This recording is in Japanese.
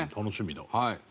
楽しみだ。